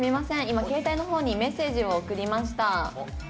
「今携帯の方にメッセージを送りました」